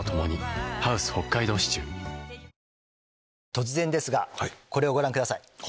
突然ですがこれをご覧ください。